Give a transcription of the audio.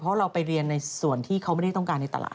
เพราะเราไปเรียนในส่วนที่เขาไม่ได้ต้องการในตลาด